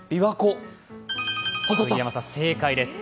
杉山さん、正解です。